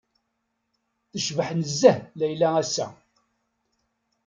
Tecbeḥ nezzeh Leïla ass-a!